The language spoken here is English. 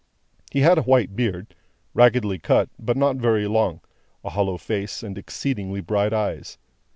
He had a white beard, raggedly cut, but not very long, a hollow face, and exceedingly bright eyes.